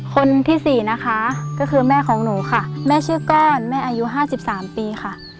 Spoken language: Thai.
คนที่๔นะคะก็คือแม่ของหนูค่ะแม่ชื่อก้อนแม่อายุ๕๓ปีค่ะ